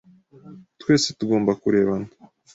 Twese tugomba kurebana.